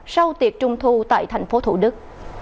sau tiệc trung thu tại tp thủ đức